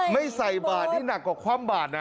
ไม่ใส่บาทนี่หนักกว่าคว่ำบาดนะ